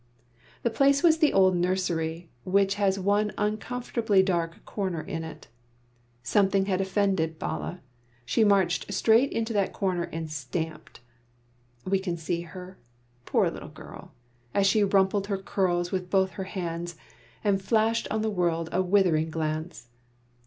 The place was the old nursery, which has one uncomfortably dark corner in it. Something had offended Bala; she marched straight into that corner and stamped. We can see her poor little girl as she rumpled her curls with both her hands, and flashed on the world a withering glance.